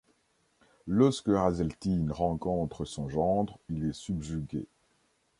Lorsque Hazeltine rencontre son gendre, il est subjugué.